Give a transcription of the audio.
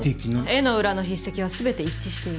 絵の裏の筆跡は全て一致している。